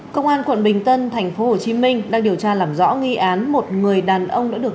công an quận bình tân thành phố hồ chí minh đang điều tra làm rõ nghi án một người đàn ông đã được